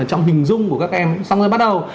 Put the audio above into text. trong hình dung của các em xong rồi bắt đầu